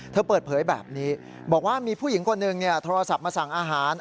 เธอเปิดเผยแบบนี้บอกว่ามีผู้หญิงคนหนึ่งโทรศัพท์มาสั่งอาหาร